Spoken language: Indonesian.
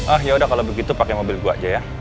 ah yaudah kalau begitu pake mobil gua aja ya